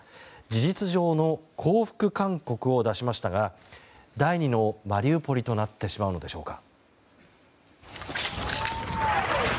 事実上の降伏勧告を出しましたが第２のマリウポリとなってしまうのでしょうか。